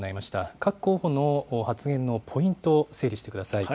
各候補の発言のポイントを整理してください。